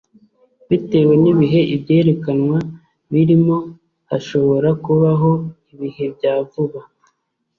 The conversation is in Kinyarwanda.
bitewe n’ibihe ibyerekanwa birimo hashobora kubaho ibihe bya vuba